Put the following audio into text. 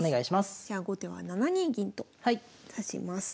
じゃあ後手は７二銀と指します。